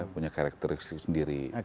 punya karakteristik sendiri